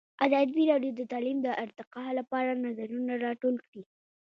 ازادي راډیو د تعلیم د ارتقا لپاره نظرونه راټول کړي.